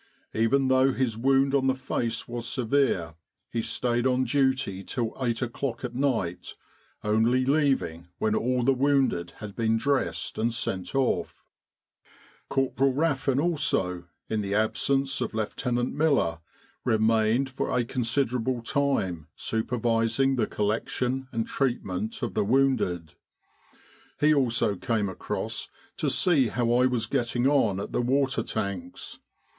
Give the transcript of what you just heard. Even though his wound on the face was severe, he stayed on duty till eight o'clock at night, only leaving when all the wounded had been dressed and sent off. Cor poral Raffin also, in the absence of Lieutenant Miller, 99 With the R.A.M.C. in Egypt remained for a considerable time supervising the collection and treatment of the wounded. He also came across to see how I was getting on at the water tanks.